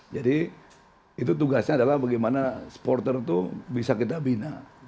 jadi itu tugasnya adalah bagaimana supporter itu bisa kita bina